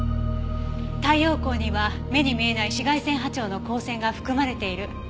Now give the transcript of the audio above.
太陽光には目に見えない紫外線波長の光線が含まれている。